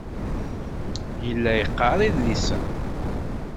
Yella yeqqar idlisen.